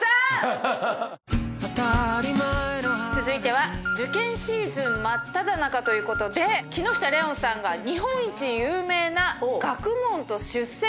続いては受験シーズン真っただ中ということで木下レオンさんが。